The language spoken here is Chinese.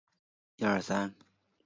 火炬松为松科松属的植物。